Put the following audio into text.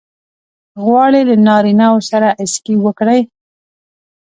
غواړې له نارینه وو سره سکی وکړې؟